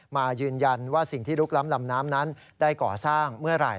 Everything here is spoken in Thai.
มายืนยันว่าสิ่งที่ลุกล้ำลำน้ำนั้นได้ก่อสร้างเมื่อไหร่